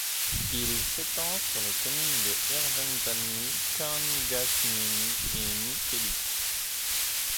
Il s'étend sur les communes de Hirvensalmi, Kangasniemi et Mikkeli.